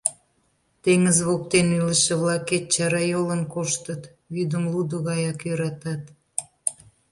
Теҥыз воктен илыше-влакет чарайолын коштыт, вӱдым лудо гаяк йӧратат.